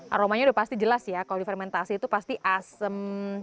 aromanya udah pasti jelas ya kalau difermentasi itu pasti asem